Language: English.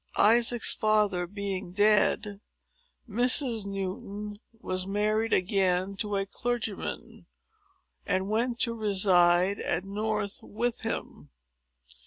Isaac's father being dead, Mrs. Newton was married again to a clergyman, and went to reside at North Witham.